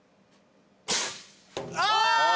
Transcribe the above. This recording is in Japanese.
あ！